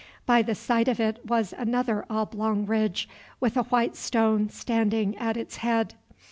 By the side of it was another oblong ridge, with a white stone standing at its head.